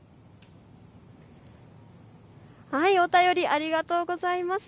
ありがとうございます。